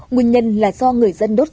nguyên nhân là do người dân đốt rẫy